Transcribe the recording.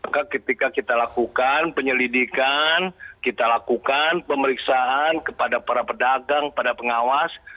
maka ketika kita lakukan penyelidikan kita lakukan pemeriksaan kepada para pedagang kepada pengawas